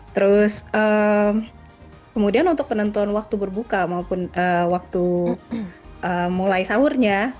terus kemudian untuk penentuan waktu berbuka maupun waktu mulai sahurnya